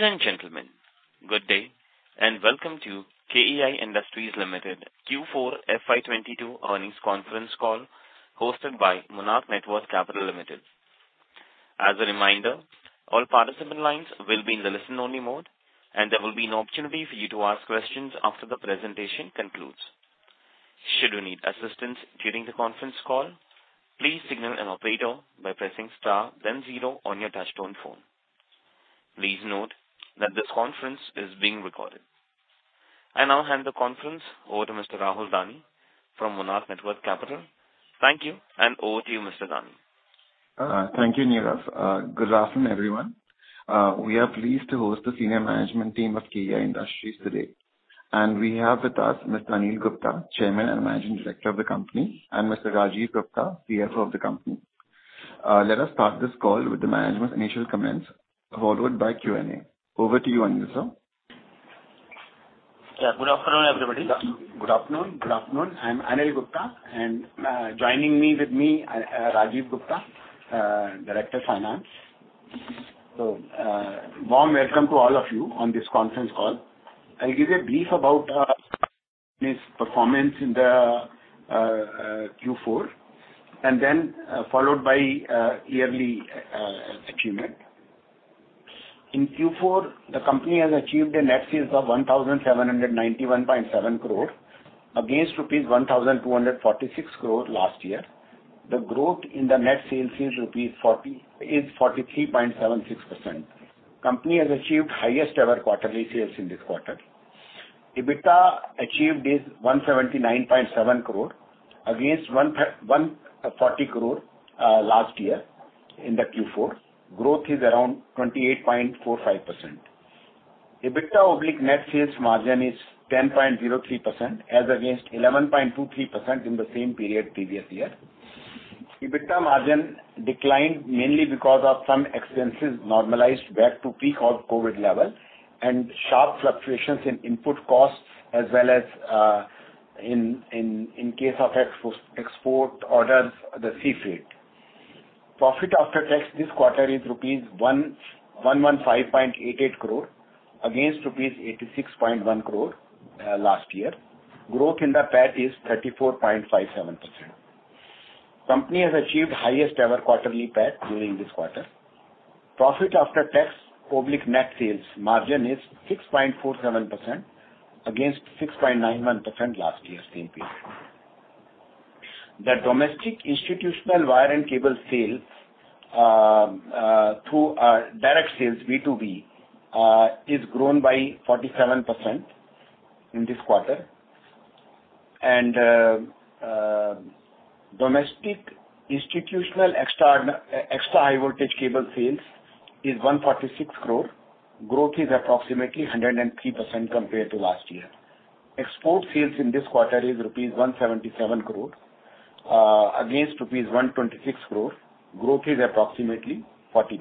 Ladies and gentlemen, good day, and welcome to KEI Industries Limited Q4 FY 2022 earnings conference call hosted by Monarch Networth Capital Limited. As a reminder, all participant lines will be in the listen-only mode, and there will be an opportunity for you to ask questions after the presentation concludes. Should you need assistance during the conference call, please signal an operator by pressing star then zero on your touchtone phone. Please note that this conference is being recorded. I now hand the conference over to Mr. Rahul Dani from Monarch Networth Capital. Thank you, and over to you, Mr. Dani. Thank you, Neeraj. Good afternoon, everyone. We are pleased to host the senior management team of KEI Industries today. We have with us Mr. Anil Gupta, Chairman and Managing Director of the company, and Mr. Rajeev Gupta, CFO of the company. Let us start this call with the management's initial comments followed by Q&A. Over to you, Anil, sir. Yeah. Good afternoon, everybody. Good afternoon. I'm Anil Gupta and joining me, Rajeev Gupta, director of finance. Warm welcome to all of you on this conference call. I'll give you a brief about this performance in the Q4 and then followed by yearly achievement. In Q4, the company has achieved a net sales of 1,791.7 crore against INR 1,246 crore last year. The growth in the net sales is 43.76%. Company has achieved highest ever quarterly sales in this quarter. EBITDA achieved is 179.7 crore against 140 crore last year in the Q4. Growth is around 28.45%. EBITDA/net sales margin is 10.03% as against 11.23% in the same period previous year. EBITDA margin declined mainly because of some expenses normalized back to pre-COVID level and sharp fluctuations in input costs as well as in case of export orders, the sea freight. Profit after tax this quarter is rupees 1,115.88 crore against rupees 86.1 crore last year. Growth in the PAT is 34.57%. Company has achieved highest ever quarterly PAT during this quarter. Profit after tax/net sales margin is 6.47% against 6.91% last year's same period. The domestic institutional wire and cable sales through direct sales B2B is grown by 47%, in this quarter. Domestic institutional extra high voltage cable sales is 146 crore. Growth is approximately 103% compared to last year. Export sales in this quarter is rupees 177 crore against rupees 126 crore. Growth is approximately 40%.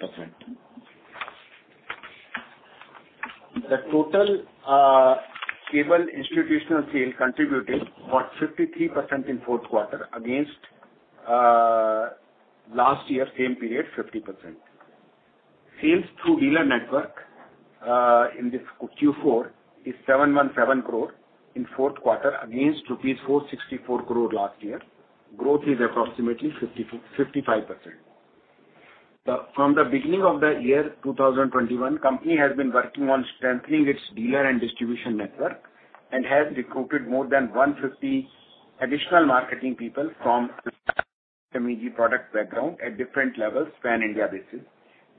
The total cable institutional sale contributed for 53% in Q4 against last year same period, 50%. Sales through dealer network in this Q4 is 717 crore in Q4 against rupees 464 crore last year. Growth is approximately 55%. From the beginning of the year 2021, company has been working on strengthening its dealer and distribution network and has recruited more than 150 additional marketing people from product background at different levels pan-India basis,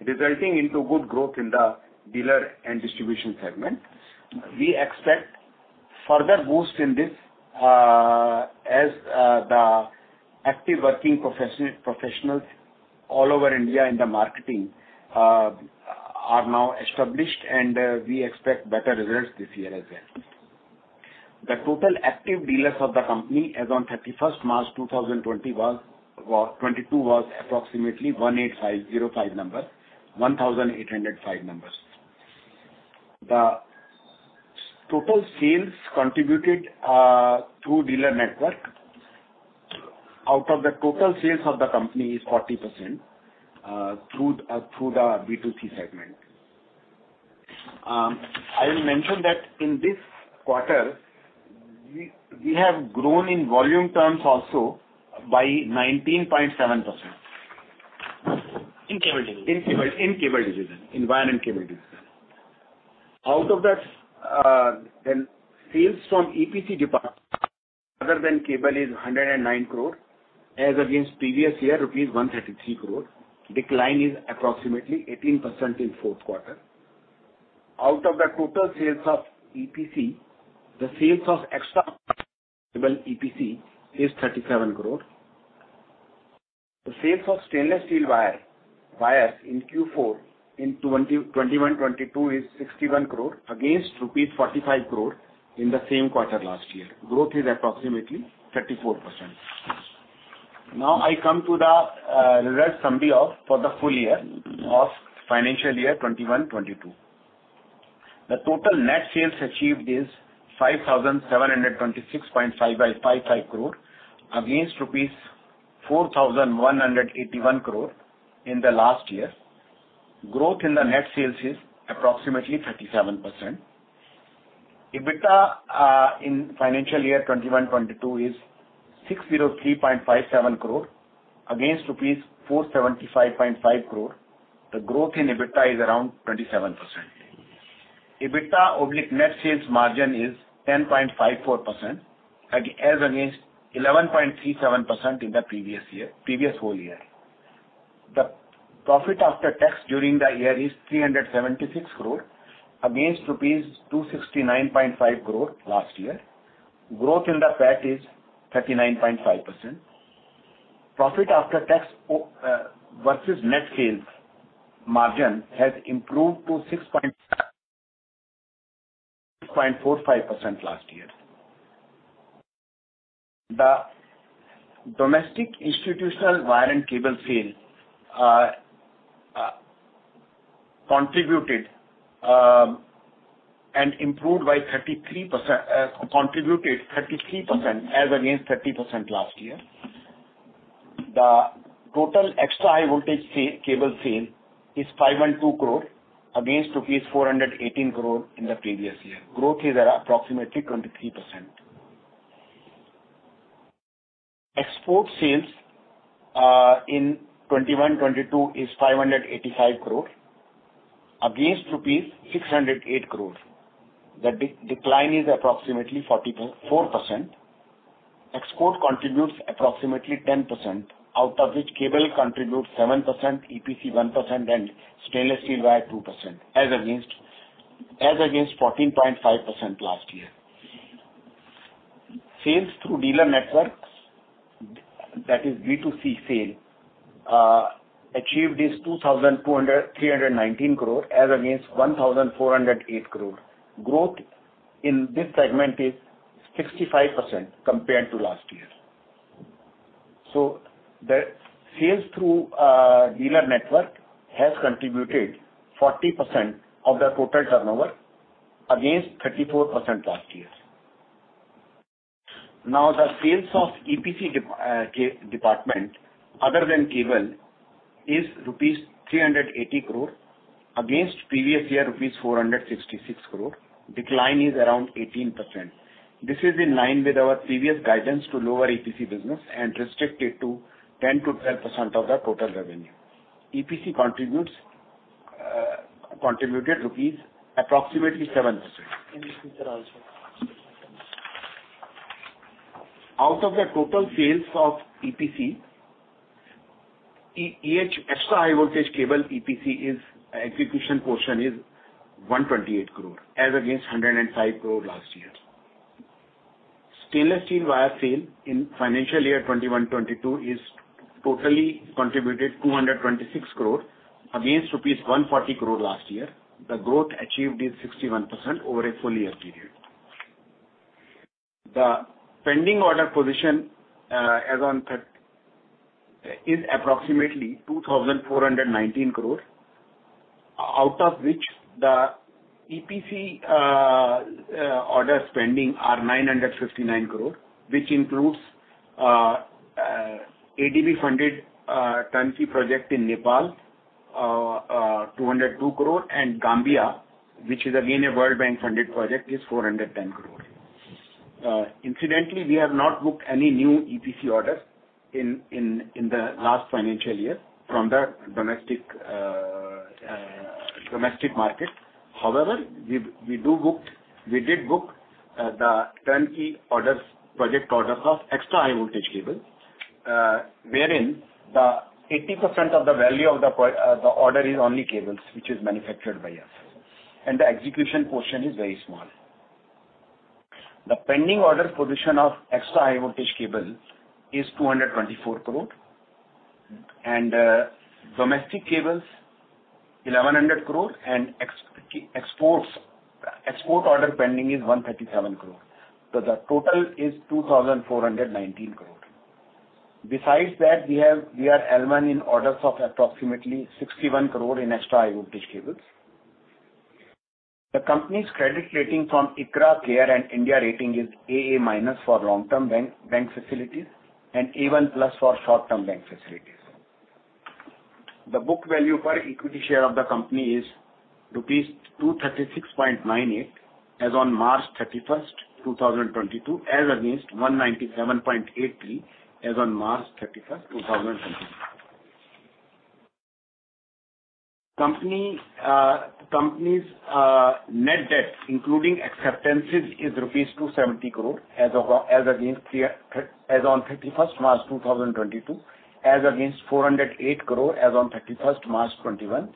resulting into good growth in the dealer and distribution segment. We expect further boost in this, as the active working professionals all over India in the marketing are now established, and we expect better results this year as well. The total active dealers of the company as on 31 March 2022 was approximately 1,805. The total sales contributed through dealer network out of the total sales of the company is 40% through the B2C segment. I will mention that in this quarter we have grown in volume terms also by 19.7%. In cable division. In wire and cable division. Out of that, the sales from EPC department other than cable is 109 crore as against previous year rupees 133 crore. Decline is approximately 18% in Q4. Out of the total sales of EPC, the sales of other EPC is 37 crore. The sales of stainless steel wires in Q4 in 2021-22 is 61 crore against rupees 45 crore in the same quarter last year. Growth is approximately 34%. Now I come to the results summary for the full year of financial year 2021-22. The total net sales achieved is 5,726.55 crore against rupees 4,181 crore in the last year. Growth in the net sales is approximately 37%. EBITDA in financial year 2021-22 is 603.57 crore against rupees 475.5 crore. The growth in EBITDA is around 27%. EBITDA/net sales margin is 10.54% as against 11.37% in the previous year. The profit after tax during the year is 376 crore against rupees 269.5 crore last year. Growth in the PAT is 39.5%. Profit after tax versus net sales margin has improved to 6.45% last year. The domestic institutional wire and cable sale contributed and improved by 33% as against 30% last year. The total extra high voltage cable sale is 52 crore against rupees 418 crore in the previous year. Growth is at approximately 23%. Export sales in 2021-22 is 585 crore against rupees 608 crore. The decline is approximately 44%. Export contributes approximately 10%, out of which cable contributes 7%, EPC 1%, and stainless steel wire 2% as against 14.5% last year. Sales through dealer networks, that is B2C sale, achieved is 2,239 crore as against 1,408 crore. Growth in this segment is 65% compared to last year. The sales through dealer network has contributed 40% of the total turnover against 34% last year. Now, the sales of EPC department other than cable is rupees 380 crore against previous year rupees 466 crore. Decline is around 18%. This is in line with our previous guidance to lower EPC business and restrict it to 10%-12% of the total revenue. EPC contributes, contributed INR approximately 7. Out of the total sales of EPC, EHV extra high voltage cable EPC execution portion is 128 crore as against 105 crore last year. Stainless steel wire sale in financial year 2021-22 totally contributed 226 crore against rupees 140 crore last year. The growth achieved is 61% over a full year period. The pending order position as on is approximately 2,419 crore. Out of which the EPC order spending are 959 crore, which includes ADB-funded turnkey project in Nepal, 202 crore, and Gambia, which is again a World Bank-funded project, is 410 crore. Incidentally, we have not booked any new EPC orders in the last financial year from the domestic market. However, we did book the turnkey orders, project orders of extra high voltage cable, wherein the 80% of the value of the order is only cables, which is manufactured by us, and the execution portion is very small. The pending order position of extra high voltage cable is 224 crore and domestic cables 1,100 crore and export order pending is 137 crore. The total is 2,419 crore. Besides that, we are L1 in orders of approximately 61 crore in extra high voltage cables. The company's credit rating from ICRA, CARE, and India Ratings and Research is AA- for long-term bank facilities and A1+ for short-term bank facilities. The book value per equity share of the company is rupees 236.98 as on March 31, 2022, as against 197.83 as on March 31, 2021. The company's net debt including acceptances is 270 crore rupees as of, as against three... As on 31st March 2022, as against 408 crore as on 31st March 2021.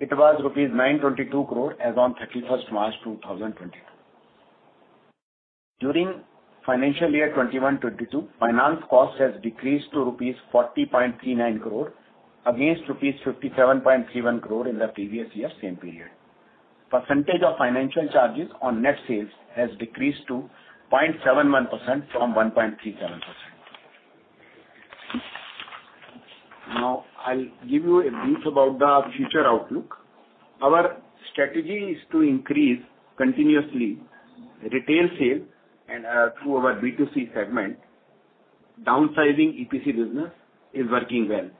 It was rupees 922 crore as on 31st March 2021. During financial year 2021-22, finance costs has decreased to rupees 40.39 crore against rupees 57.31 crore in the previous year same period. Percentage of financial charges on net sales has decreased to 0.71% from 1.37%. Now I'll give you a brief about the future outlook. Our strategy is to increase continuously retail sale and through our B2C segment. Downsizing EPC business is working well.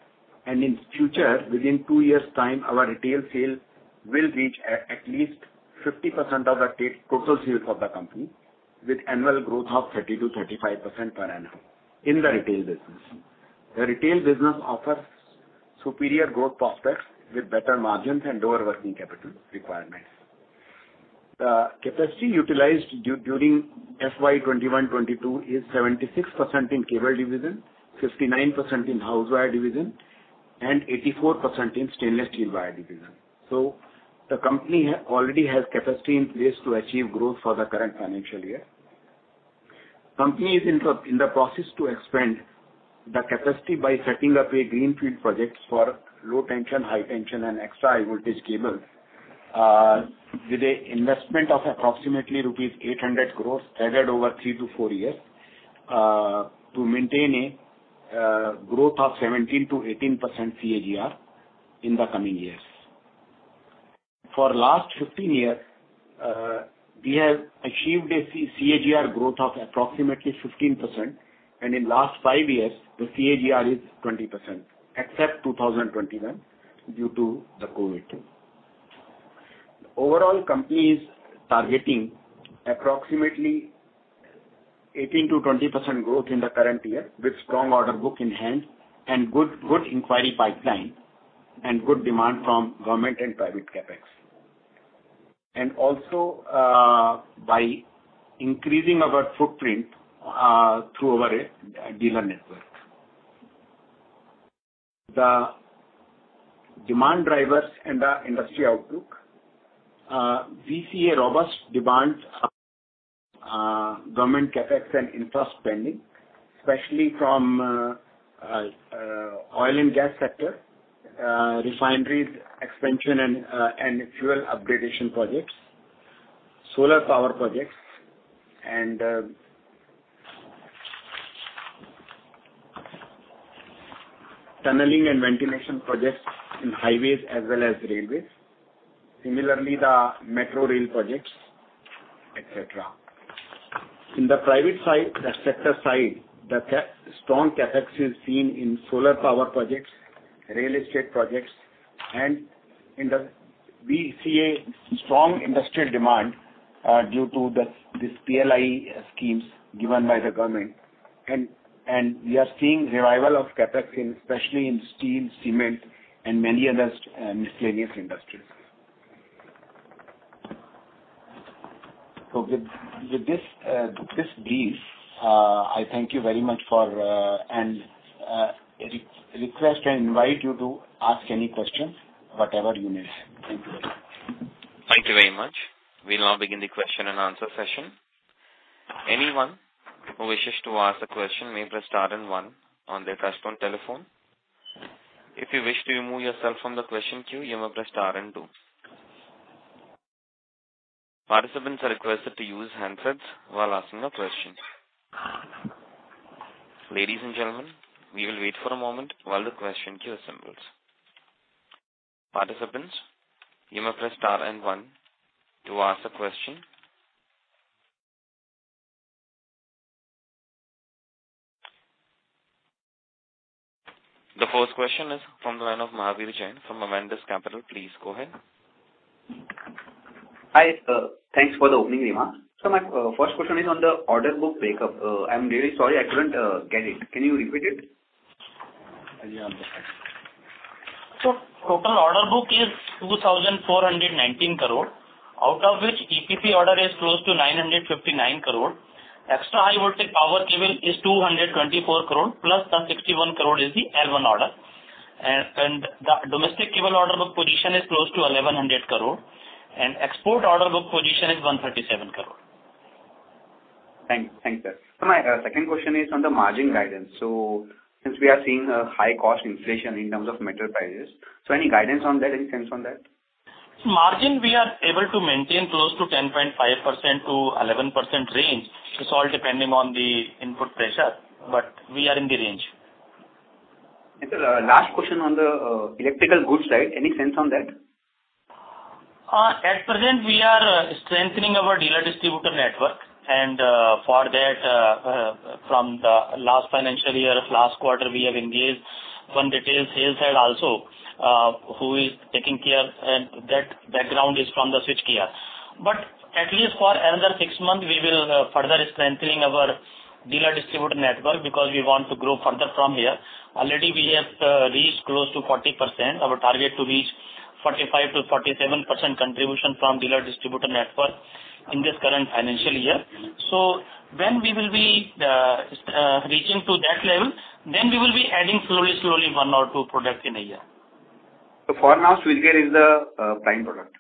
In future, within two years' time, our retail sales will reach at least 50% of the total sales of the company with annual growth of 30%-35% per annum in the retail business. The retail business offers superior growth prospects with better margins and lower working capital requirements. The capacity utilized during FY 2021-22 is 76% in cable division, 59% in house wire division, and 84% in stainless steel wire division. The company already has capacity in place to achieve growth for the current financial year. Company is in the process to expand the capacity by setting up a greenfield project for low tension, high tension and extra high voltage cable with an investment of approximately rupees 800 crores staggered over 3-4 years to maintain a growth of 17%-18% CAGR in the coming years. For last 15 years, we have achieved a CAGR growth of approximately 15%, and in last 5 years the CAGR is 20%, except 2021 due to the COVID. Overall, company is targeting approximately 18%-20% growth in the current year with strong order book in hand and good inquiry pipeline and good demand from government and private CapEx. By increasing our footprint through our dealer network. The demand drivers and the industry outlook. We see a robust demand, government CapEx and infra spending, especially from oil and gas sector, refineries expansion and fuel upgradation projects, solar power projects and tunneling and ventilation projects in highways as well as railways. Similarly, the metro rail projects, et cetera. In the private side, the sector side, strong CapEx is seen in solar power projects, real estate projects, and in the. We see a strong industrial demand due to this PLI schemes given by the government. We are seeing revival of CapEx in, especially in steel, cement and many other miscellaneous industries. With this brief, I thank you very much for your request and invite you to ask any questions, whatever you need. Thank you. Thank you very much. We'll now begin the question and answer session. Anyone who wishes to ask a question may press star and one on their touchtone telephone. If you wish to remove yourself from the question queue, you may press star and two. Participants are requested to use handsets while asking a question. Ladies and gentlemen, we will wait for a moment while the question queue assembles. Participants, you may press star and one to ask a question. The first question is from the line of Mahavir Jain from Ambit Capital. Please go ahead. Hi. Thanks for the opening remarks. My first question is on the order book breakup. I'm really sorry, I couldn't get it. Can you repeat it? Total order book is 2,419 crore, out of which EPC order is close to 959 crore. Extra high voltage power cable is 224 crore, plus the 61 crore is the L1 order. The domestic cable order book position is close to 1,100 crore and export order book position is 137 crore. Thanks, sir. My second question is on the margin guidance. Since we are seeing a high cost inflation in terms of material prices, any guidance on that? Any sense on that? Margin we are able to maintain close to 10.5%-11% range. It's all depending on the input pressure, but we are in the range. Last question on the electrical goods side. Any sense on that? At present we are strengthening our dealer distributor network and, for that, from the last financial year, last quarter, we have engaged one retail sales head also, who is taking care and that background is from the switchgear. At least for another six months we will further strengthening our dealer distributor network because we want to grow further from here. Already we have reached close to 40%. Our target to reach 45%-47% contribution from dealer distributor network in this current financial year. When we will be reaching to that level, then we will be adding slowly one or two products in a year. For now, switchgear is the prime product?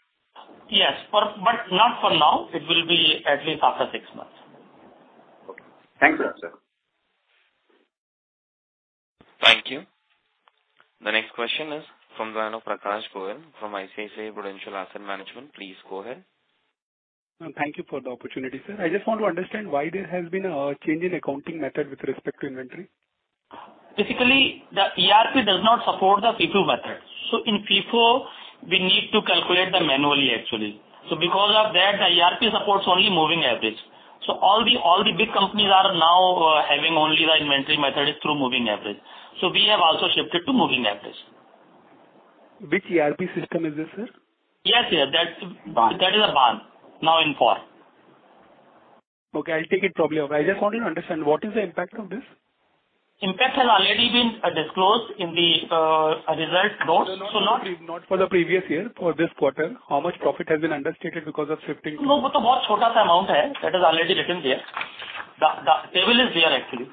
Yes, not for now. It will be at least after six months. Okay. Thanks for that, sir. Thank you. The next question is from the line of Prakash Goel from ICICI Prudential Asset Management. Please go ahead. Thank you for the opportunity, sir. I just want to understand why there has been a change in accounting method with respect to inventory. Basically, the ERP does not support the FIFO method. In FIFO we need to calculate them manually, actually. Because of that, the ERP supports only moving average. All the big companies are now having only the inventory method through moving average. We have also shifted to moving average. Which ERP system is this, sir? Yes, yes. BAAN. That is a Baan. Now Infor. Okay, I'll take it probably. I just wanted to understand what is the impact of this. Impact has already been disclosed in the result notes. No, no. Not for the previous year. For this quarter, how much profit has been understated because of shifting? No, that is a very small amount. That is already written there. The table is there, actually.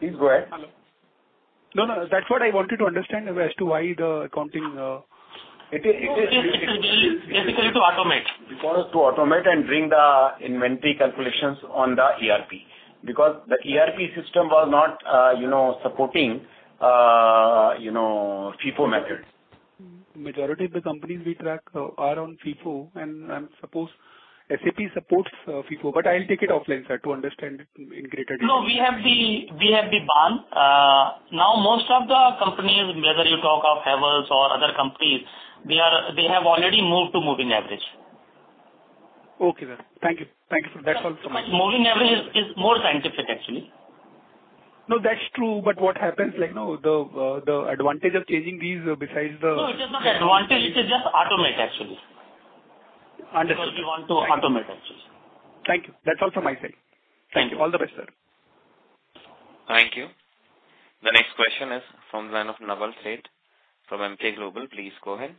Please go ahead. Hello. No, no. That's what I wanted to understand as to why the accounting, It is. Basically to automate. For us to automate and bring the inventory calculations on the ERP. Because the ERP system was not, you know, supporting, you know, FIFO method. Majority of the companies we track are on FIFO, and I suppose SAP supports FIFO. I'll take it offline, sir, to understand in greater detail. No, we have the Baan. Now most of the companies, whether you talk of Havells or other companies, they have already moved to moving average. Okay, sir. Thank you. Thank you, sir. That's all from my side. Moving average is more scientific, actually. No, that's true. What happens, like, you know, the advantage of changing these besides the No, it is not an advantage. It is just automation, actually. Understood. Because we want to automate also, sir. Thank you. That's all from my side. Thank you. All the best, sir. Thank you. The next question is from the line of Naval Seth from Emkay Global. Please go ahead.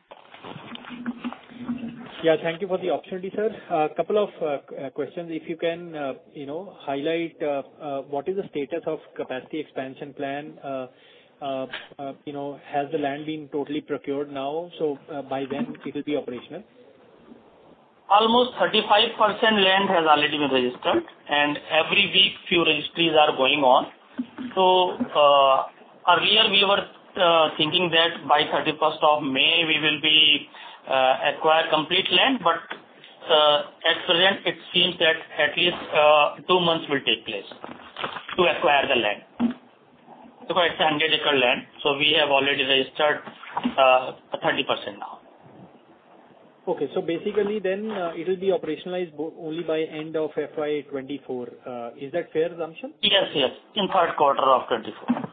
Yeah, thank you for the opportunity, sir. A couple of questions. If you can, you know, highlight what is the status of capacity expansion plan? You know, has the land been totally procured now, so by when it will be operational? Almost 35% land has already been registered, and every week few registries are going on. Earlier we were thinking that by thirty-first of May we will acquire complete land, but at present it seems that at least 2 months will take place to acquire the land. Because it's a 100-acre land, so we have already registered 30% now. Okay. Basically it will be operationalized only by end of FY 2024. Is that fair assumption? Yes, yes. In Q3 of 2024.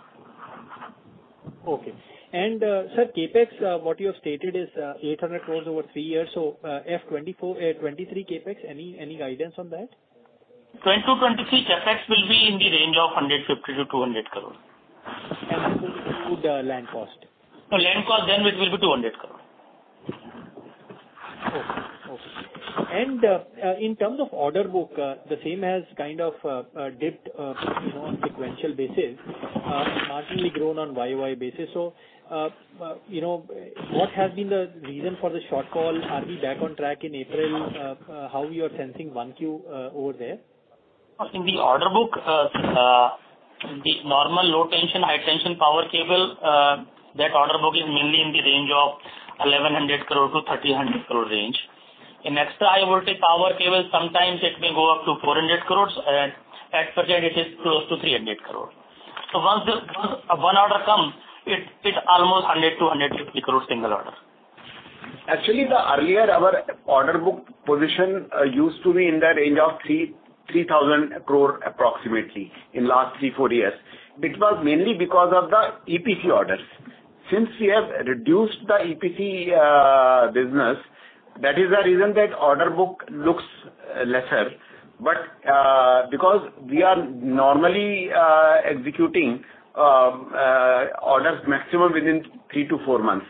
Okay. Sir, CapEx, what you have stated is 800 crore over 3 years. FY24, FY23 CapEx, any guidance on that? 2022-23 CapEx will be in the range of 150 crore-200 crore. This will include land cost? No, land cost then it will be 200 crore. Okay. In terms of order book, the same has kind of dipped, you know, on sequential basis, marginally grown on YoY basis. You know, what has been the reason for the shortfall? Are we back on track in April? How you are sensing 1Q over there? In the order book, the normal low tension, high tension power cable, that order book is mainly in the range of INR 1,100 crore-INR 1,300 crore range. In extra high voltage power cable, sometimes it may go up to INR 400 crore. At present it is close to INR 300 crore. Once one order comes, it's almost INR 100 crore-INR 150 crore single order. Actually, the earlier our order book position used to be in the range of 3,000 crore approximately in last 3-4 years. It was mainly because of the EPC orders. Since we have reduced the EPC business, that is the reason that order book looks lesser. Because we are normally executing orders maximum within 3-4 months.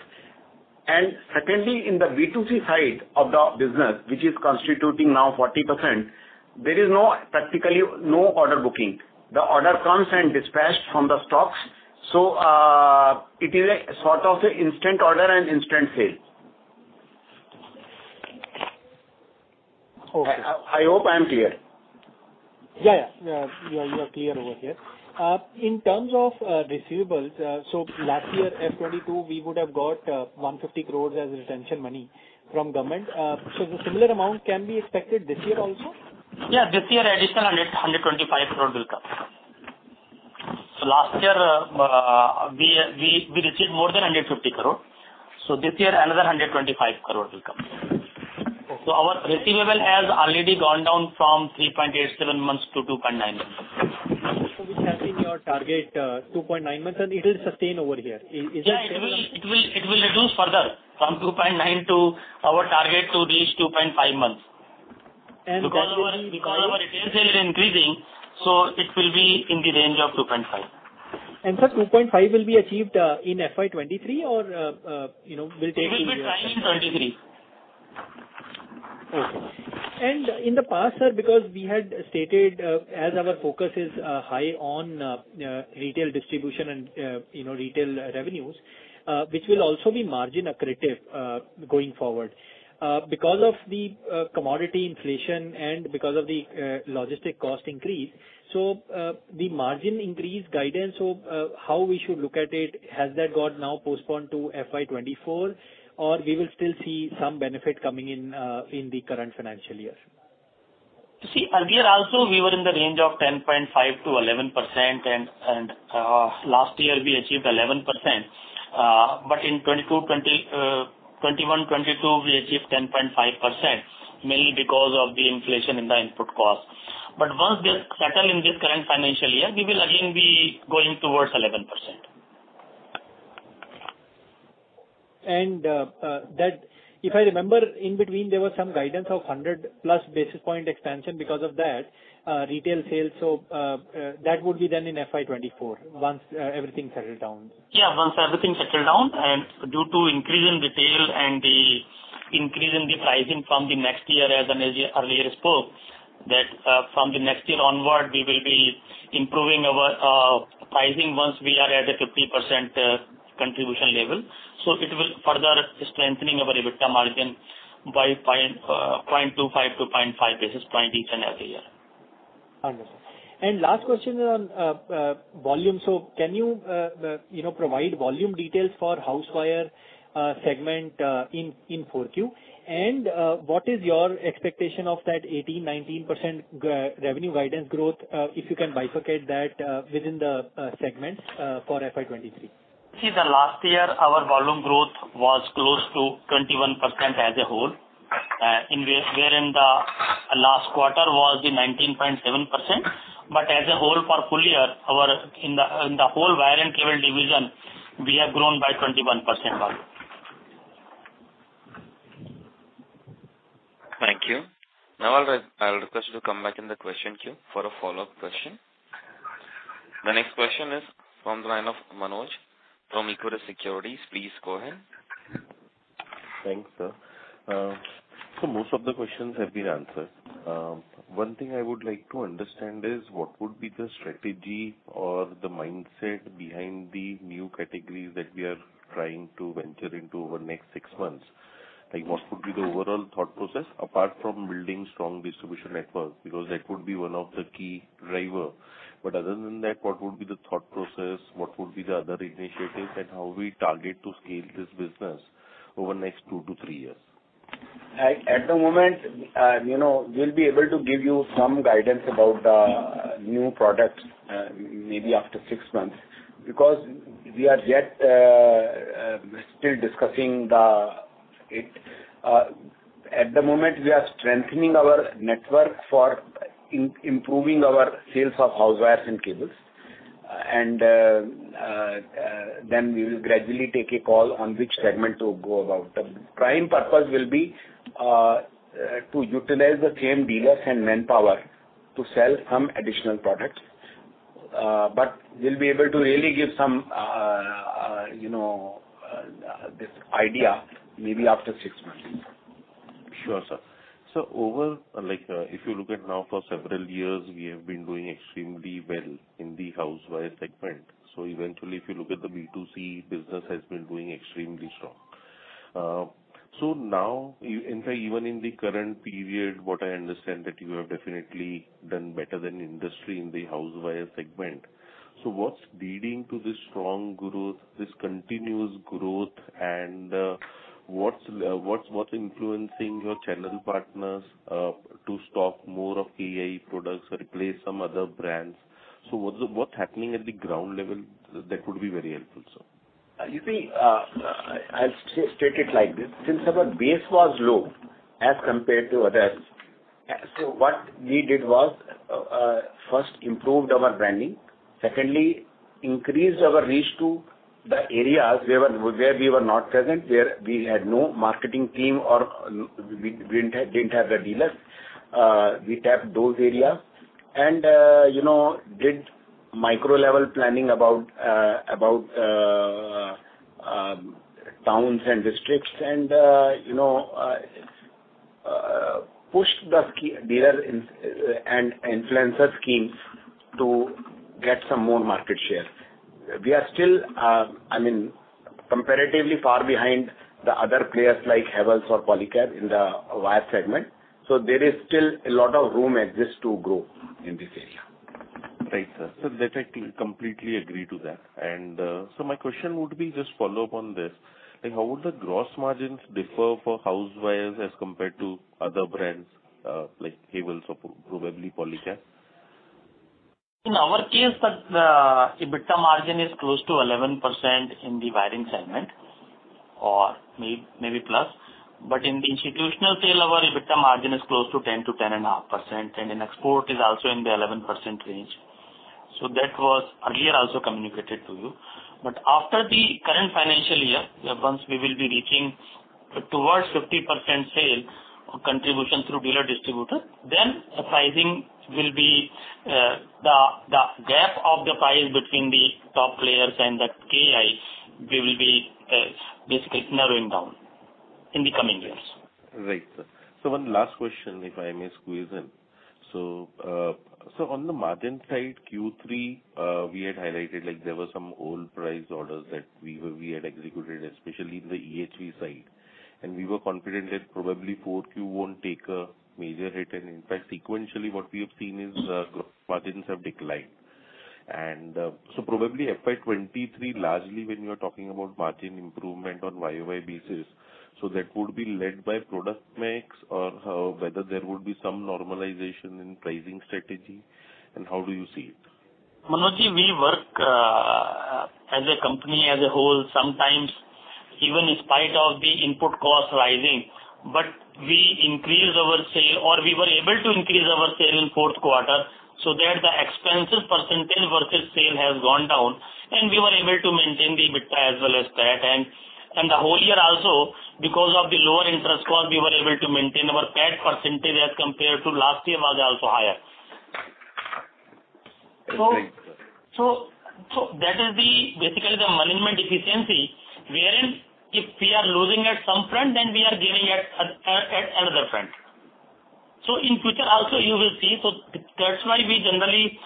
Secondly, in the B2C side of the business, which is constituting now 40%, there is practically no order booking. The order comes and dispatched from the stocks. It is a sort of an instant order and instant sale. Okay. I hope I'm clear. Yeah, yeah. You are clear over here. In terms of receivables, so last year, FY 2022, we would have got 150 crores as retention money from government. So the similar amount can be expected this year also? Yeah, this year additional 125 crore will come. Last year, we received more than 150 crore. This year another 125 crore will come. Okay. Our receivable has already gone down from 3.87 months to 2.9 months. Which has been your target, 2.9 months and it will sustain over here. Is it sustainable? Yeah, it will reduce further from 2.9 to our target to reach 2.5 months. And because of- Because our retail sales are increasing, so it will be in the range of 2.5. Sir, 2.5 will be achieved in FY 2023 or, you know, will take a year. It will be trying in 2023. Okay. In the past, sir, because we had stated, as our focus is high on retail distribution and, you know, retail revenues, which will also be margin accretive, going forward. Because of the commodity inflation and because of the logistics cost increase, so the margin increase guidance, so how we should look at it, has that got now postponed to FY 2024, or we will still see some benefit coming in in the current financial year? See, earlier also we were in the range of 10.5%-11% and last year we achieved 11%. In 2021-2022, we achieved 10.5%, mainly because of the inflation in the input cost. Once they settle in this current financial year, we will again be going towards 11%. If I remember, in between there was some guidance of 100+ basis point expansion because of that retail sales. That would be then in FY 2024 once everything settles down. Yeah, once everything settles down. Due to increase in retail and the increase in the pricing from the next year, as earlier spoke, that from the next year onward we will be improving our pricing once we are at a 50% contribution level. It will further strengthening our EBITDA margin by point 0.25 to point 0.5 basis point each and every year. Understood. Last question on volume. Can you provide volume details for house wire segment in 4Q? What is your expectation of that 18%-19% revenue guidance growth, if you can bifurcate that within the segments for FY 2023. See, last year our volume growth was close to 21% as a whole. Wherein the last quarter was 19.7%. As a whole for full year, our in the whole wire and cable division, we have grown by 21% volume. Thank you. Now I'll request you to come back in the question queue for a follow-up question. The next question is from the line of Manoj from ICICI Securities. Please go ahead. Thanks, sir. Most of the questions have been answered. One thing I would like to understand is what would be the strategy or the mindset behind the new categories that we are trying to venture into over the next six months. Like, what would be the overall thought process apart from building strong distribution networks? Because that would be one of the key driver. Other than that, what would be the thought process, what would be the other initiatives, and how we target to scale this business over the next two to three years? At the moment, you know, we'll be able to give you some guidance about the new products, maybe after six months. At the moment we are strengthening our network for improving our sales of house wires and cables. We will gradually take a call on which segment to go about. The prime purpose will be to utilize the same dealers and manpower to sell some additional products. We'll be able to really give some, you know, this idea maybe after six months. Sure, sir. Overall, like, if you look at now for several years, we have been doing extremely well in the house wire segment. Eventually, if you look at the B2C business has been doing extremely strong. Now, in fact, even in the current period, what I understand that you have definitely done better than industry in the house wire segment. What's leading to this strong growth, this continuous growth, and what's influencing your channel partners to stock more of KEI products, replace some other brands? What's happening at the ground level? That would be very helpful, sir. You see, I'll state it like this. Since our base was low as compared to others, what we did was first improved our branding. Secondly, increased our reach to the areas where we were not present, where we had no marketing team or we didn't have the dealers. We tapped those areas. You know, did micro-level planning about towns and districts and you know pushed the key dealer incentive and influencer schemes to get some more market share. We are still, I mean, comparatively far behind the other players like Havells or Polycab in the wire segment. There is still a lot of room exists to grow in this area. Right, sir. I completely agree to that. My question would be just follow up on this. Like, how would the gross margins differ for house wires as compared to other brands, like Havells or probably Polycab? In our case, the EBITDA margin is close to 11% in the wiring segment, or maybe plus. In the institutional sale, our EBITDA margin is close to 10%-10.5%, and in export is also in the 11% range. That was earlier also communicated to you. After the current financial year, once we will be reaching towards 50% sale contribution through dealer distributor, then pricing will be, the gap of the price between the top players and the- We will be basically narrowing down in the coming years. Right, sir. One last question, if I may squeeze in. On the margin side, Q3, we had highlighted like there were some low price orders that we had executed, especially in the EHV side, and we were confident that probably Q4 won't take a major hit. In fact, sequentially, what we have seen is, gross margins have declined. Probably FY 2023 largely when you are talking about margin improvement on YOY basis, that would be led by product mix or, whether there would be some normalization in pricing strategy, and how do you see it? Manoj, we work as a company as a whole, sometimes even in spite of the input cost rising, but we increase our sale or we were able to increase our sale in Q4, so there the expenses percentage versus sale has gone down, and we were able to maintain the EBITDA as well as that. The whole year also, because of the lower interest cost, we were able to maintain our PAT percentage as compared to last year was also higher. Right. That is basically the management efficiency wherein if we are losing at some front, then we are gaining at another front. In future also you will see. That's why we generally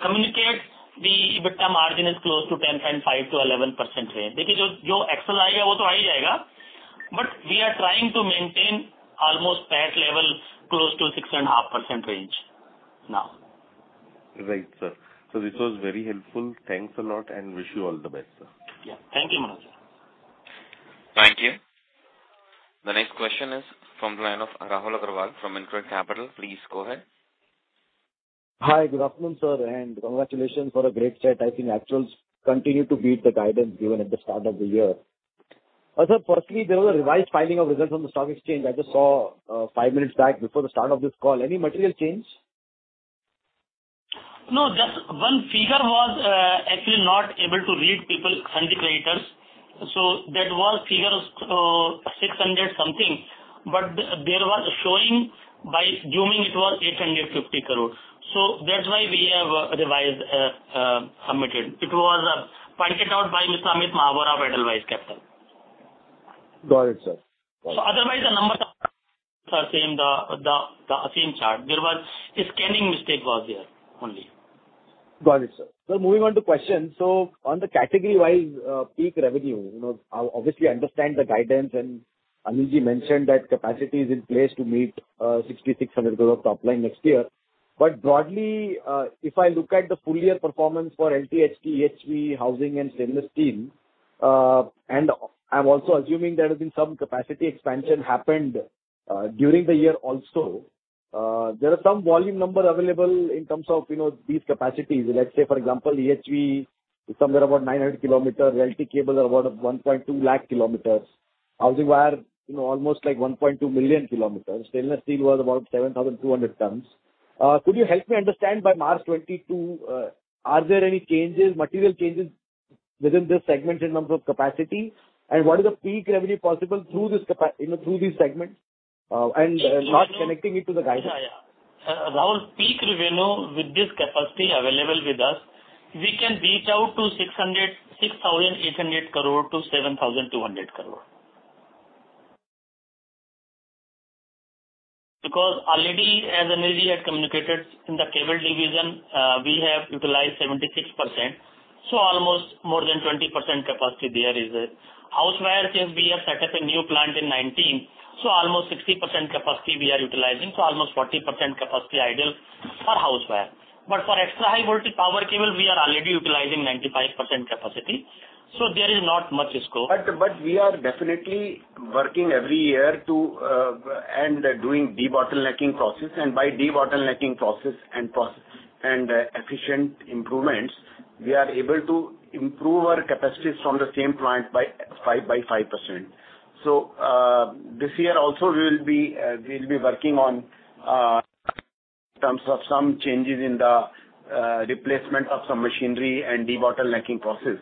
communicate the EBITDA margin is close to 10.5%-11% range. We are trying to maintain almost PAT level close to 6.5% range now. Right, sir. This was very helpful. Thanks a lot, and wish you all the best, sir. Yeah. Thank you, Manoj. Thank you. The next question is from the line of Rahul Aggarwal from InCred Capital. Please go ahead. Hi. Good afternoon, sir, and congratulations for a great chat. I think actuals continue to beat the guidance given at the start of the year. Sir, firstly, there was a revised filing of results on the stock exchange. I just saw 5 minutes back before the start of this call. Any material change? No, just one figure was actually not able to read properly, creditors. That was figure of 600-something, but it was showing by assuming it was 850 crore. That's why we have revised and submitted. It was pointed out by Mr. Amit Mahawar of Edelweiss Securities. Got it, sir. Got it. Otherwise the numbers are same, the same chart. There was a scanning mistake was there only. Got it, sir. Moving on to questions. On the category-wise peak revenue, you know, obviously understand the guidance and Anilji mentioned that capacity is in place to meet 6,600 crore top line next year. But broadly, if I look at the full year performance for LTHT, EHV, housing and stainless steel, and I'm also assuming there has been some capacity expansion happened during the year also. There are some volume number available in terms of, you know, these capacities. Let's say for example, EHV is somewhere about 900 km, LT cable are about 1.2 lakh km. Housing wire, you know, almost like 1.2 million km. Stainless steel was about 7,200 tons. Could you help me understand by March 2022, are there any changes, material changes within this segment in terms of capacity? What is the peak revenue possible you know, through this segment? Not connecting it to the guidance. Yeah, yeah. Around peak revenue with this capacity available with us, we can reach out to 6,800 crore-7,200 crore. Because already as Anilji had communicated in the cable division, we have utilized 76%, so almost more than 20% capacity there is. Housewire since we have set up a new plant in 2019, so almost 60% capacity we are utilizing, so almost 40% capacity idle for housewire. But for extra high voltage power cable, we are already utilizing 95% capacity, so there is not much scope. We are definitely working every year and doing debottlenecking process. By debottlenecking process and efficient improvements, we are able to improve our capacities from the same plant by 5%. This year also we'll be working on in terms of some changes in the replacement of some machinery and debottlenecking process,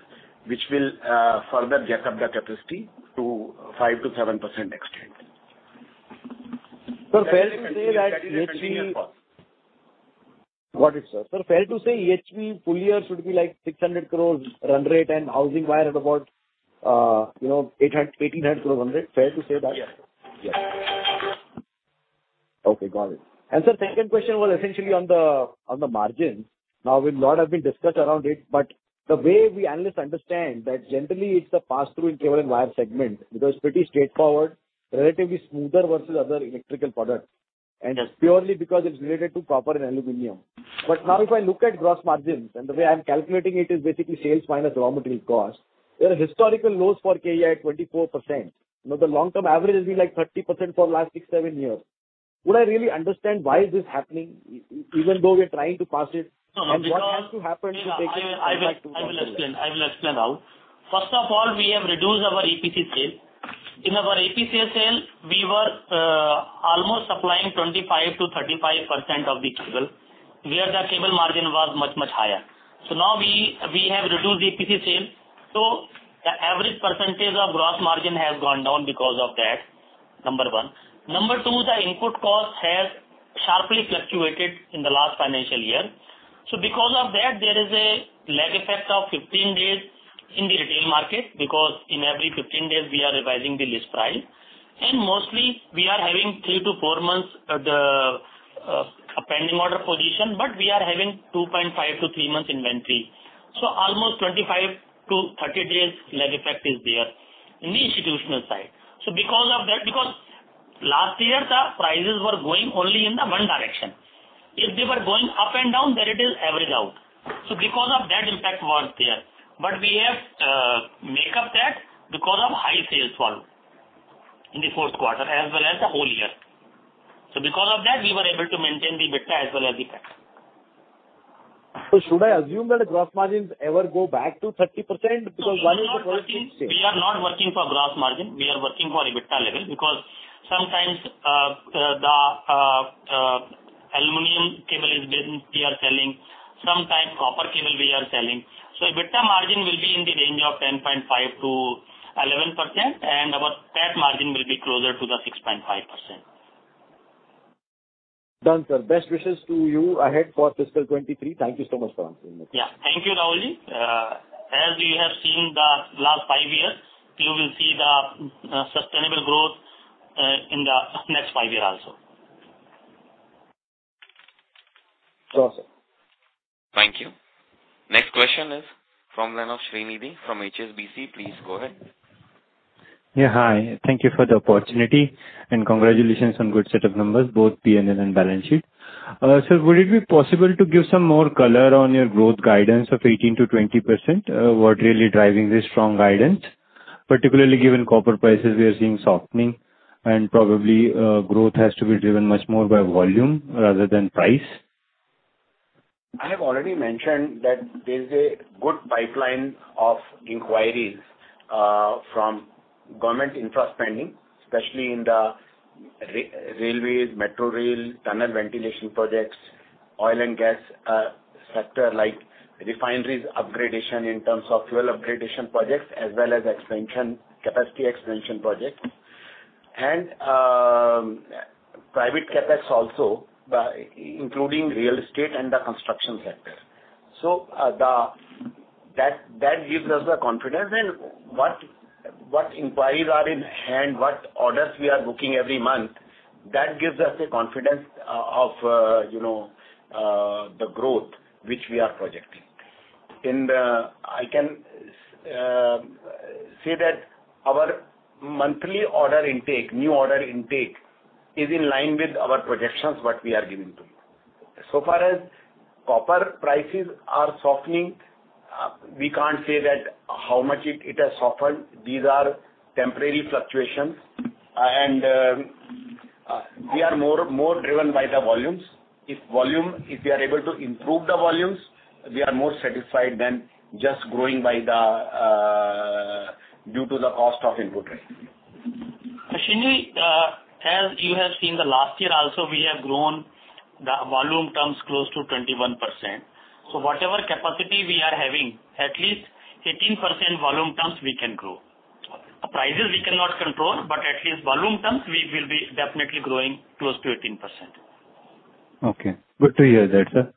which will further jack up the capacity to 5%-7% extent. Sir, fair to say that EHV That is a 20-year cost. Got it, sir. Sir, fair to say EHV full year should be like 600 crore run rate and housing wire at about 800 crore run rate. Fair to say that? Yes. Yes. Okay, got it. Sir, second question was essentially on the margin. Now a lot has been discussed around it, but the way we analysts understand that generally it's a pass-through in cable and wire segment because pretty straightforward, relatively smoother versus other electrical products. Yes. Purely because it's related to copper and aluminum. Now if I look at gross margins, and the way I'm calculating it is basically sales minus raw material cost, there are historical lows for KEI at 24%. You know, the long term average has been like 30% for last six, seven years. Could I really understand why is this happening even though we are trying to pass it- No, because. What has to happen to take it back? I will explain how. First of all, we have reduced our EPC sale. In our EPC sale, we were almost supplying 25%-35% of the cable, where the cable margin was much, much higher. Now we have reduced EPC sale, so the average percentage of gross margin has gone down because of that, number one. Number two, the input cost has roughly fluctuated in the last financial year. Because of that, there is a lag effect of 15 days in the retail market, because in every 15 days we are revising the list price. Mostly we are having 3-4 months a pending order position, but we are having 2.5-3 months inventory. Almost 25-30 days lag effect is there in the institutional side. Because of that, because last year the prices were going only in the one direction. If they were going up and down, then it is average out. Because of that impact was there. We have make up that because of high sales volume in the Q4 as well as the whole year. Because of that, we were able to maintain the EBITDA as well as the CapEx. Should I assume that gross margins ever go back to 30% because one is- We are not working for gross margin. We are working for EBITDA level because sometimes aluminum cable is business we are selling, sometimes copper cable we are selling. EBITDA margin will be in the range of 10.5%-11%, and our CapEx margin will be closer to the 6.5%. Done, sir. Best wishes to you ahead for fiscal 2023. Thank you so much for answering my questions. Yeah. Thank you, Rahul. As you have seen the last five years, you will see the sustainable growth in the next five year also. Awesome. Thank you. Next question is from the line of Shrinidhi Karlekar from HSBC. Please go ahead. Yeah, hi. Thank you for the opportunity and congratulations on good set of numbers, both P&L and balance sheet. So would it be possible to give some more color on your growth guidance of 18%-20%? What really driving this strong guidance, particularly given copper prices we are seeing softening and probably, growth has to be driven much more by volume rather than price. I have already mentioned that there's a good pipeline of inquiries from government infra spending, especially in the railways, metro rail, tunnel ventilation projects, oil and gas sector like refineries upgrading in terms of fuel upgrading projects as well as expansion, capacity expansion projects, and private CapEx also, including real estate and the construction sector. That gives us the confidence and what inquiries are in hand, what orders we are booking every month, that gives us the confidence of you know the growth which we are projecting. I can say that our monthly order intake, new order intake is in line with our projections what we are giving to you. As far as copper prices are softening, we can't say that how much it has softened. These are temporary fluctuations and we are more driven by the volumes. If we are able to improve the volumes, we are more satisfied than just growing due to the cost of input range. Srini, as you have seen the last year also, we have grown the volume terms close to 21%. Whatever capacity we are having, at least 18% volume terms we can grow. Prices we cannot control, but at least volume terms we will be definitely growing close to 18%. Okay. Good to hear that, sir.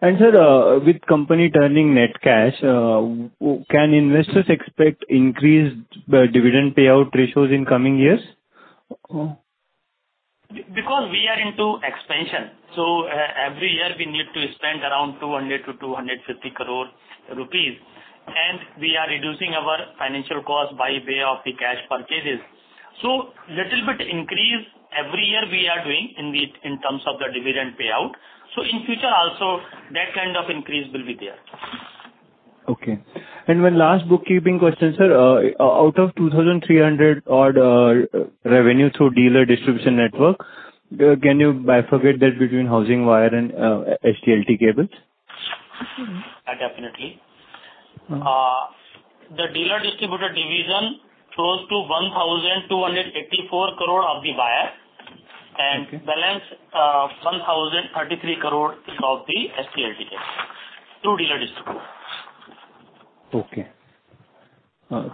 Sir, with company turning net cash, can investors expect increased dividend payout ratios in coming years? Because we are into expansion, every year we need to spend around 200-250 crore rupees, and we are reducing our financial cost by way of the cash purchases. Little bit increase every year we are doing in the, in terms of the dividend payout. In future also that kind of increase will be there. Okay. One last bookkeeping question, sir. Out of 2,300 odd revenue through dealer distribution network, can you bifurcate that between house wire and HT/LT cables? Definitely. The dealer distributor division close to 1,284 crore of the buyer. Okay. Balance, 1,033 crore of the HT/LT. Two dealer distributors. Okay.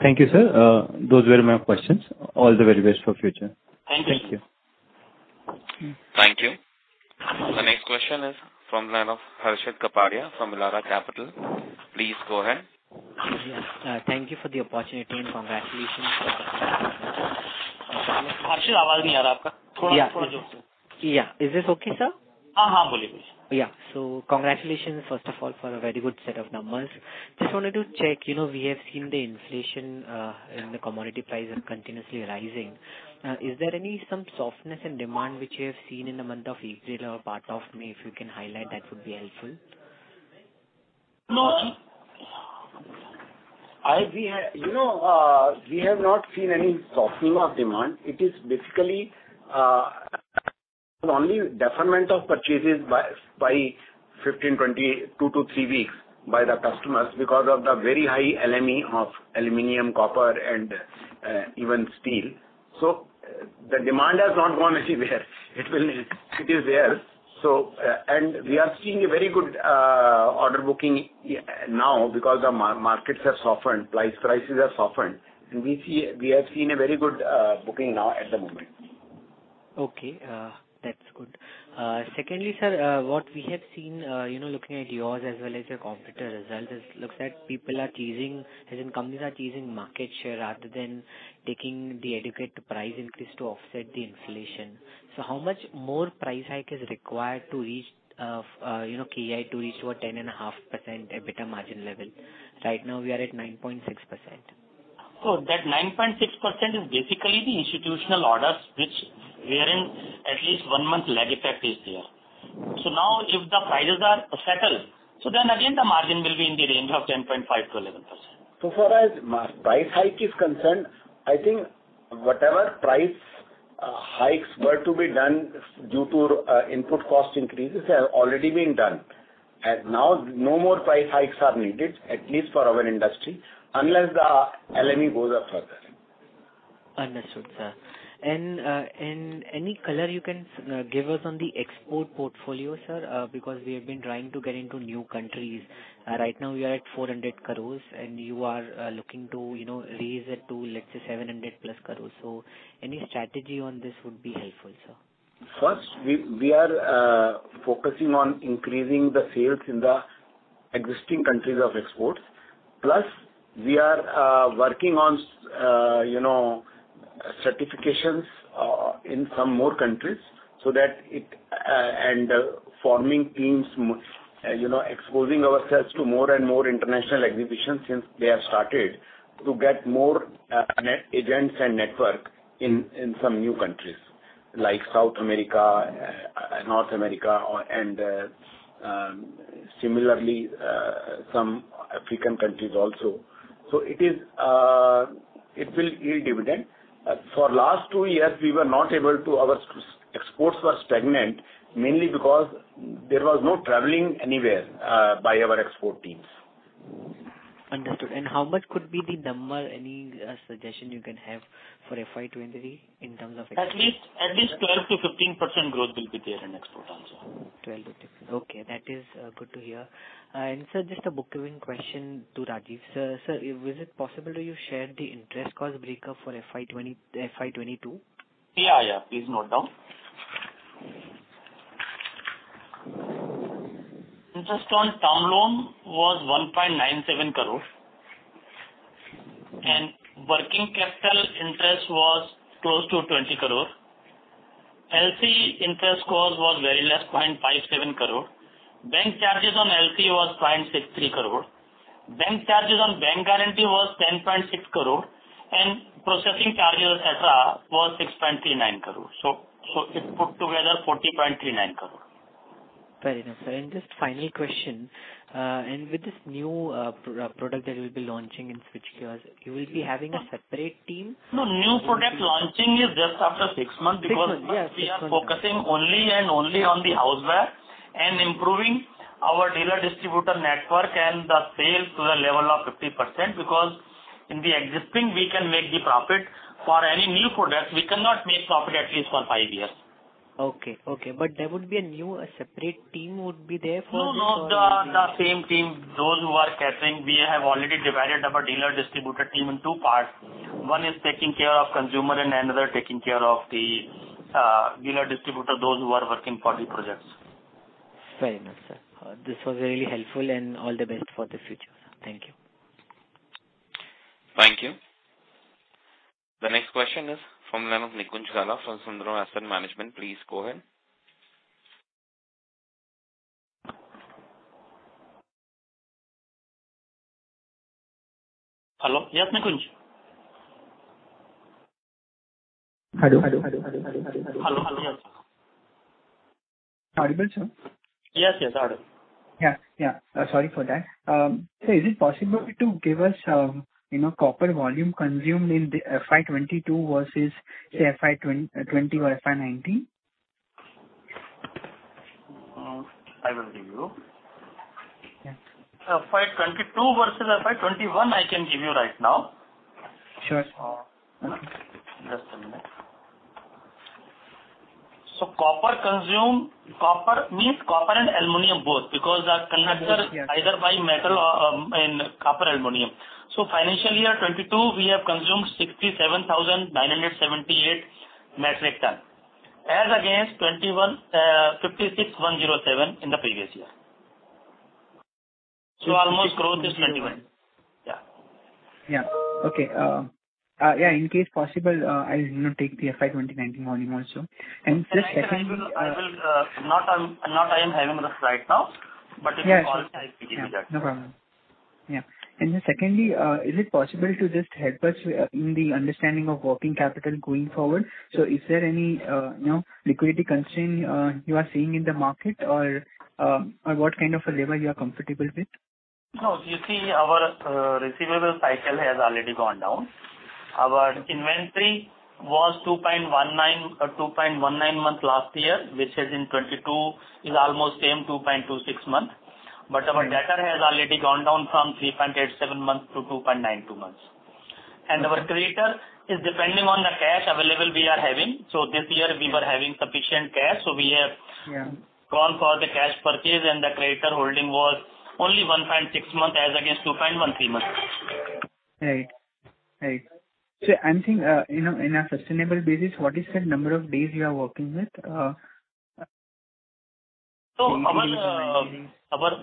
Thank you, sir. Those were my questions. All the very best for future. Thank you, sir. Thank you. Thank you. The next question is from the line of Harshit Kapadia from Elara Capital. Please go ahead. Yeah. Thank you for the opportunity and congratulations. Harshit. Yeah. Yeah. Is this okay, sir? Uh-huh, Yeah. Congratulations first of all for a very good set of numbers. Just wanted to check, you know, we have seen the inflation and the commodity prices continuously rising. Is there some softness in demand which you have seen in the month of April or part of May? If you can highlight, that would be helpful. No. You know, we have not seen any softening of demand. It is basically only deferment of purchases by 15, 20, 2-3 weeks by the customers because of the very high LME of aluminum, copper and even steel. The demand has not gone anywhere. It is there. We are seeing a very good order booking, yeah, now because the markets have softened, prices have softened, and we have seen a very good booking now at the moment. Okay, that's good. Secondly, sir, what we have seen, you know, looking at yours as well as your competitor results it looks like people are chasing, as in companies are chasing market share rather than taking the adequate price increase to offset the inflation. So how much more price hike is required to reach, you know, KEI to reach to a 10.5% EBITDA margin level? Right now we are at 9.6%. That 9.6% is basically the institutional orders which wherein at least one month lag effect is there. Now if the prices are settled, so then again the margin will be in the range of 10.5%-11%. So far as price hike is concerned, I think whatever price hikes were to be done due to input cost increases have already been done, and now no more price hikes are needed, at least for our industry, unless the LME goes up further. Understood, sir. Any color you can give us on the export portfolio, sir? Because we have been trying to get into new countries. Right now we are at 400 crores and you are looking to, you know, raise it to, let's say 700+ crores. Any strategy on this would be helpful, sir. First, we are focusing on increasing the sales in the existing countries of exports. We are working on you know, certifications in some more countries and forming teams, you know, exposing ourselves to more and more international exhibitions since they have started to get more network events and networking in some new countries like South America, North America, and similarly some African countries also. It will yield dividend. For last two years, our exports were stagnant, mainly because there was no traveling anywhere by our export teams. Understood. How much could be the number, any suggestion you can have for FY 2023 in terms of export? At least 12%-15% growth will be there in export also. Okay, that is good to hear. Sir, just a follow-up question to Rajiv. Sir, is it possible you share the interest cost break-up for FY 20, FY 22? Yeah, yeah. Please note down. Interest on term loan was 1.97 crore. Working capital interest was close to 20 crore. LC interest cost was very less, 0.57 crore. Bank charges on LC was 0.63 crore. Bank charges on bank guarantee was 10.6 crore. Processing charges at all was 6.39 crore. So it put together 40.39 crore. Very nice, sir. Just final question. With this new product that you will be launching in switchgear, you will be having a separate team? No, new product launching is just after 6 months because we are focusing only and only on the house wire and improving our dealer distributor network and the sales to the level of 50% because in the existing we can make the profit. For any new product, we cannot make profit at least for 5 years. There would be a separate team would be there for this or? No, no. The same team. Those who are catering, we have already divided our dealer distributor team in two parts. One is taking care of consumer and another taking care of the dealer distributor, those who are working for the projects. Very nice, sir. This was really helpful and all the best for the future. Thank you. Thank you. The next question is from the line of Nikunj Gala from Sundaram Asset Management. Please go ahead. Hello? Yes, Nikunj. Hello. Hello, hello. Audible, sir? Yes, yes, audible. Yeah, yeah. Sorry for that. Sir, is it possible to give us, you know, copper volume consumed in the FY 22 versus say FY 20 or FY 19? I will give you. Okay. FY 22 versus FY 21 I can give you right now. Sure. Just a minute. Copper consumption, copper means copper and aluminum both because the conductor is either copper or aluminum. Financial year 2022 we have consumed 67,978 metric tons as against 2021, 56,107 in the previous year. Almost growth is 91%. Yeah. Okay. If possible, I'll, you know, take the FY 2019 volume also. Just second- I am not having this right now, but if you call I'll give you that. Yeah, sure. No problem. Yeah. Secondly, is it possible to just help us in the understanding of working capital going forward? Is there any, you know, liquidity concern you are seeing in the market or what kind of a level you are comfortable with? No. You see our receivable cycle has already gone down. Our inventory was 2.19 months last year, which in 2022 is almost same, 2.26 months. Our debtor has already gone down from 3.87 months to 2.92 months. Our creditor is depending on the cash available we are having. This year we were having sufficient cash, so we have- Yeah. Gone for the cash purchase and the creditor holding was only 1.6 month as against 2.13 month. Right. I'm saying, in a sustainable basis, what is the number of days you are working with? Our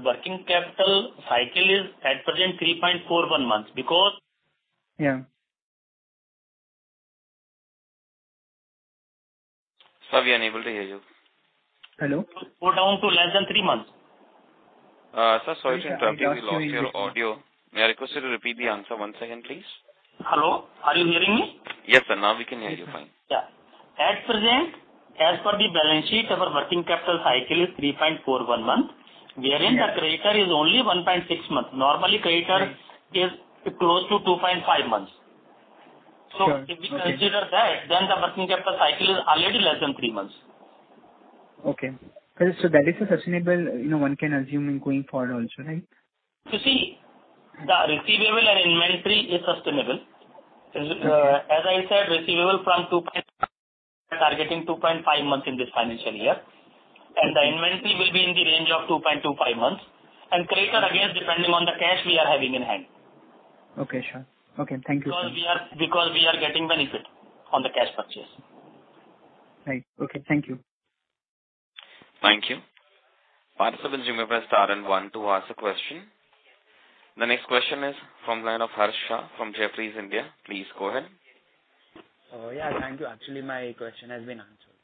working capital cycle is at present 3.41 months because Yeah. Sir, we are unable to hear you. Hello? Go down to less than three months. Sir, sorry to interrupt you. We lost your audio. May I request you to repeat the answer one second, please. Hello. Are you hearing me? Yes, sir. Now we can hear you fine. Yeah. At present, as per the balance sheet, our working capital cycle is 3.41 months, wherein the creditor is only 1.6 months. Normally, creditor is close to 2.5 months. Sure. If we consider that, then the working capital cycle is already less than three months. Okay. That is a sustainable, you know, one can assume in going forward also, right? You see, the receivable and inventory is sustainable. As I said, we are targeting 2.5 months in this financial year, and the inventory will be in the range of 2.25 months. Creditor, again, depending on the cash we are having in hand. Okay, sure. Okay, thank you, sir. Because we are getting benefit on the cash purchase. Right. Okay. Thank you. Thank you. Participants, you may press star and one to ask a question. The next question is from line of Harsh Shah from Jefferies India. Please go ahead. Oh, yeah. Thank you. Actually, my question has been answered.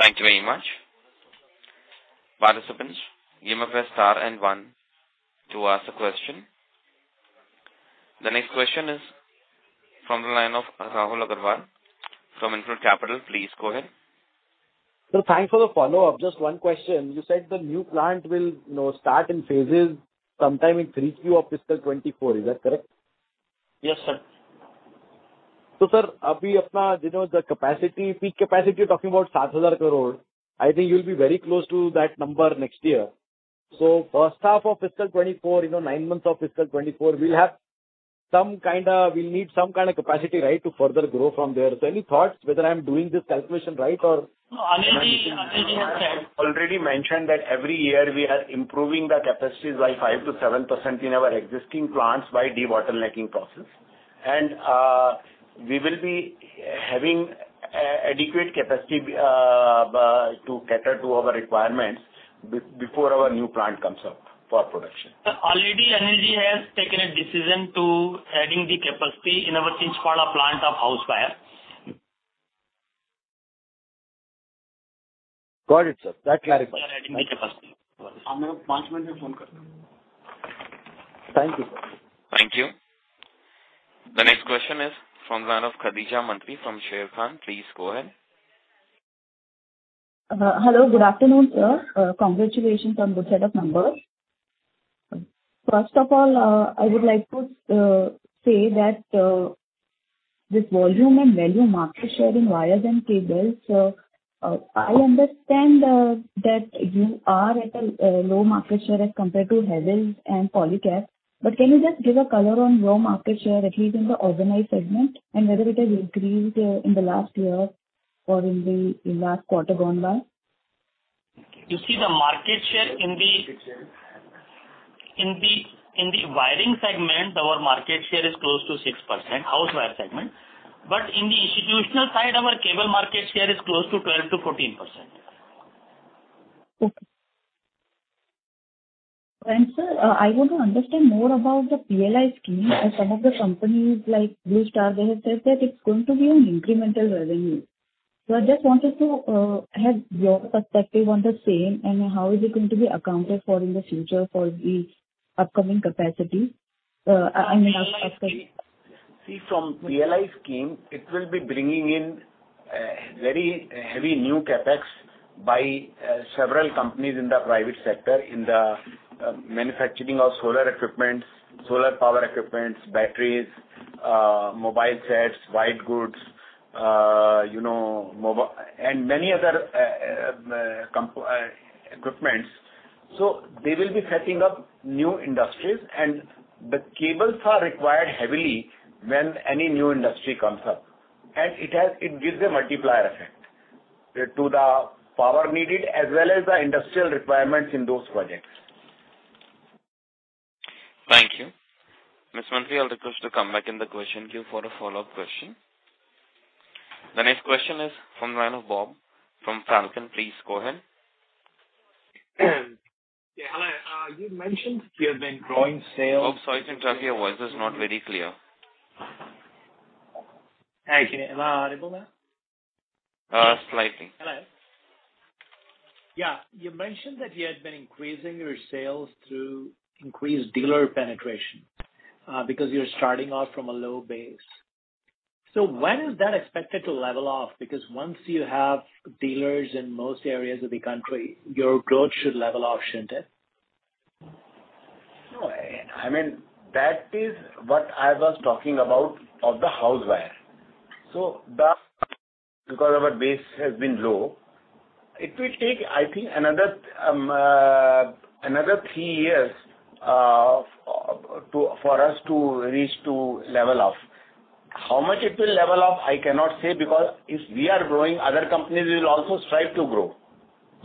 Thank you very much. Participants, you may press star and one to ask a question. The next question is from the line of Rahul Aggarwal from InCred Capital. Please go ahead. Thanks for the follow-up. Just one question. You said the new plant will, you know, start in phases sometime in 3Q of fiscal 2024. Is that correct? Yes, sir. Sir, you know, the capacity, peak capacity you're talking about, 7,000 crore. I think you'll be very close to that number next year. First half of fiscal 2024, you know, nine months of fiscal 2024, we'll need some kinda capacity, right, to further grow from there. Any thoughts whether I'm doing this calculation right or? No, Anil, has said. Already mentioned that every year we are improving the capacities by 5%-7% in our existing plants by debottlenecking process. We will be having adequate capacity to cater to our requirements before our new plant comes up for production. Sir, already Anuj has taken a decision to adding the capacity in our Chinchpada plant of house wire. Got it, sir. That clarifies. We are adding the capacity. Thank you. The next question is from the line of Khadija Mantri from Sharekhan. Please go ahead. Hello. Good afternoon, sir. Congratulations on good set of numbers. First of all, I would like to say that this volume and value market share in wires and cables, I understand that you are at a low market share as compared to Havells and Polycab. Can you just give a color on your market share, at least in the organized segment, and whether it has increased in the last year or in the last quarter gone by? You see the market share in the wiring segment, our market share is close to 6%, house wire segment. In the institutional side, our cable market share is close to 12%-14%. Okay. Sir, I want to understand more about the PLI scheme as some of the companies like Blue Star, they have said that it's going to be an incremental revenue. I just wanted to have your perspective on the same and how is it going to be accounted for in the future for the upcoming capacity? See, from PLI scheme, it will be bringing in very heavy new CapEx by several companies in the private sector in the manufacturing of solar equipment, solar power equipment, batteries, mobile sets, white goods, you know, and many other equipment. They will be setting up new industries and the cables are required heavily when any new industry comes up. It gives a multiplier effect to the power needed as well as the industrial requirements in those projects. Thank you. Ms. Mantri, you are requested to come back in the question queue for a follow-up question. The next question is from the line of Bob from Falcon. Please go ahead. Yeah. Hello. You mentioned you have been growing sales. Oh, sorry to interrupt you. Your voice is not very clear. Okay. Am I audible now? Slightly. Hello. Yeah. You mentioned that you had been increasing your sales through increased dealer penetration, because you're starting off from a low base. When is that expected to level off? Because once you have dealers in most areas of the country, your growth should level off, shouldn't it? No. I mean, that is what I was talking about of the house wire. Because our base has been low, it will take, I think, another three years to for us to reach to level off. How much it will level up, I cannot say because if we are growing, other companies will also strive to grow.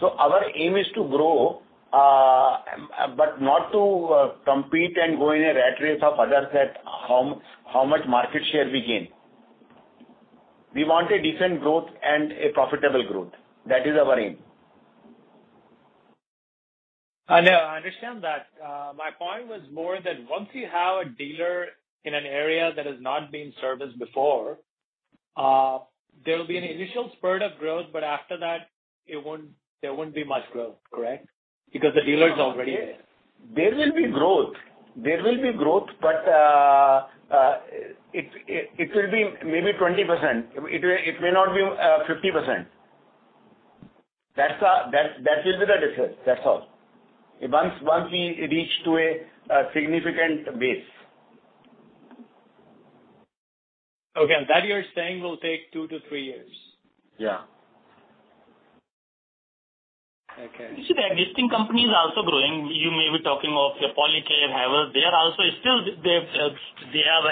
Our aim is to grow, but not to compete and go in a rat race of others at how much market share we gain. We want a decent growth and a profitable growth. That is our aim. I know. I understand that. My point was more that once you have a dealer in an area that has not been serviced before, there will be an initial spurt of growth, but after that there won't be much growth, correct? Because the dealer's already there. There will be growth. There will be growth, but it will be maybe 20%. It may not be 50%. That's that will be the difference. That's all. Once we reach to a significant base. Okay. That you're saying will take 2-3 years. Yeah. Okay. You see the existing companies are also growing. You may be talking of Polycab, Havells. They are also still, they are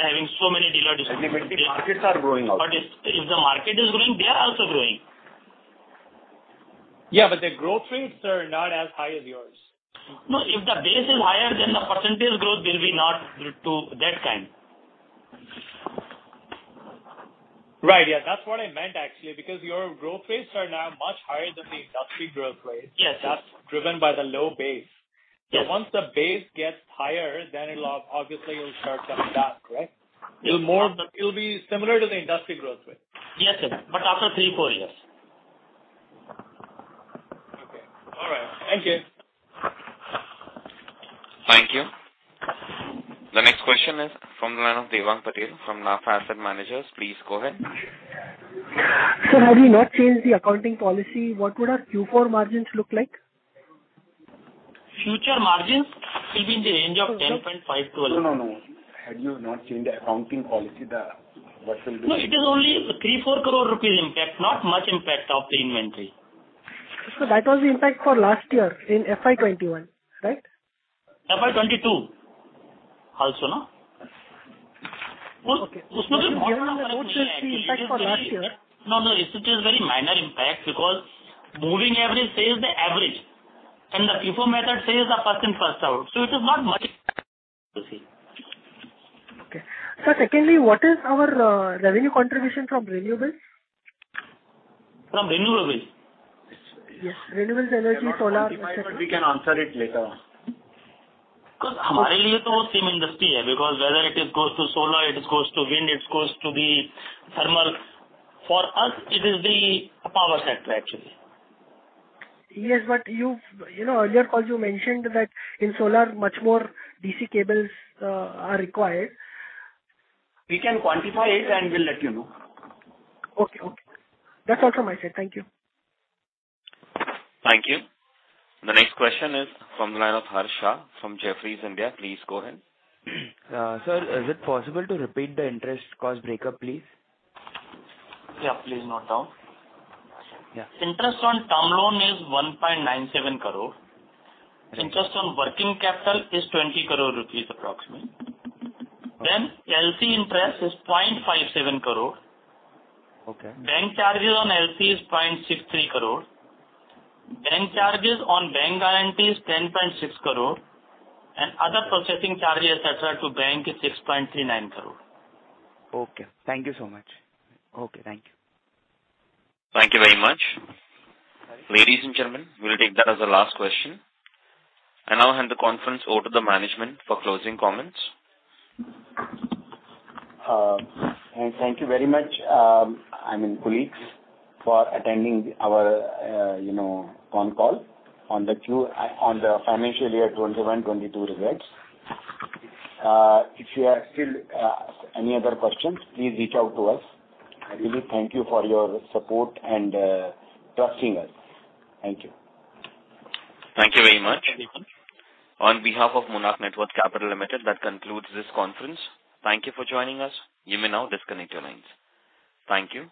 having so many dealer distributions. Significantly, markets are growing also. If the market is growing, they are also growing. Yeah, their growth rates are not as high as yours. No, if the base is higher, then the percentage growth will be not to that kind. Right. Yeah. That's what I meant actually, because your growth rates are now much higher than the industry growth rate. Yes. That's driven by the low base. Yeah. Once the base gets higher, then it'll obviously start coming down, correct? It'll be similar to the industry growth rate. Yes, sir. After 3, 4 years. Okay. All right. Thank you. Thank you. The next question is from the line of Devang Patel from NAFA Asset Managers. Please go ahead. Sir, had you not changed the accounting policy, what would our Q4 margins look like? Future margins will be in the range of 10.5%-11%. No, no. Had you not changed the accounting policy, what will be? No, it is only 3-4 crore rupees impact, not much impact of the inventory. That was the impact for last year in FY 21, right? FY 2022 also, no? Okay. Given the whole 2023 impact for last year. No, no. It is very minor impact because moving average says the average and the FIFO method says the first in, first out. It is not much, you see. Okay. Sir, secondly, what is our revenue contribution from renewables? From renewables? Yes, renewable energy, solar. We can answer it later on. Because same industry here, because whether it goes to solar, it goes to wind, it goes to the thermal, for us it is the power sector actually. Yes, but you know, earlier call you mentioned that in solar much more DC cables are required. We can quantify it and we'll let you know. Okay, okay. That's all from my side. Thank you. Thank you. The next question is from the line of Harsha from Jefferies India. Please go ahead. Sir, is it possible to repeat the interest cost breakup, please? Yeah, please note down. Yeah. Interest on term loan is 1.97 crore. Okay. Interest on working capital is 20 crore rupees approximately. LC interest is 0.57 crore. Okay. Bank charges on LC is 0.63 crore. Bank charges on bank guarantee is 10.6 crore. Other processing charges that are to bank is 6.39 crore. Okay. Thank you so much. Okay, thank you. Thank you very much. Ladies and gentlemen, we'll take that as the last question. I now hand the conference over to the management for closing comments. Thank you very much, I mean, colleagues for attending our, you know, conference call on the financial year 2021-2022 results. If you have still any other questions, please reach out to us. I really thank you for your support and trusting us. Thank you. Thank you very much. On behalf of Monarch Networth Capital Limited, that concludes this conference. Thank you for joining us. You may now disconnect your lines. Thank you.